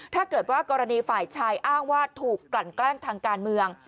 ถ้าเกิดว่ากรณีฝ่ายชายอ้างว่าถูกกลั่นแกล้งทางการเมือง